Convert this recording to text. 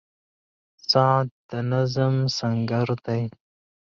• ساعت د نظم سنګر دی.